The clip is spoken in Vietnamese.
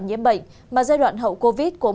nhiễm bệnh mà giai đoạn hậu covid cũng